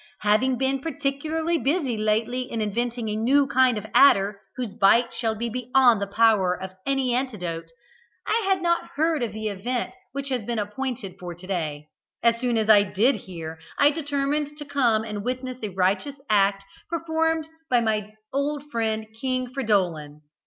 Having been particularly busy lately in inventing a new kind of adder whose bite shall be beyond the power of any antidote, I had not heard of the event which has been appointed for to day. As soon as I did hear, I determined to come and witness a righteous act performed by my old friend, King Fridolin.